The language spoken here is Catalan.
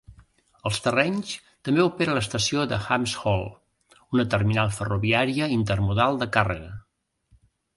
Als terrenys també opera l'estació de Hams Hall, una terminal ferroviària intermodal de càrrega.